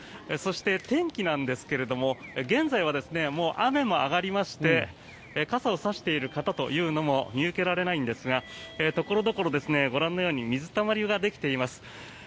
そして、天気なんですが現在はもう雨も上がりまして傘を差している方というのも見受けられないんですが所々、ご覧のように水たまりができています。